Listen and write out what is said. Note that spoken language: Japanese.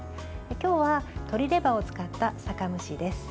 今日は、鶏レバーを使った酒蒸しです。